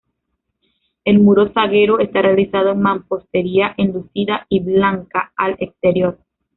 El muro zaguero está realizado en mampostería enlucida y blanca al exterior.